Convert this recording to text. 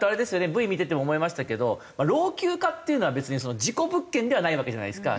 Ｖ見てて思いましたけど老朽化っていうのは別に事故物件ではないわけじゃないですか。